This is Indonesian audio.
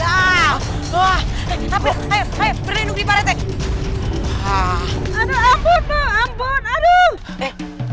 aduh ampun ampun